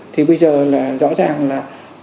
thì bây giờ là rõ ràng là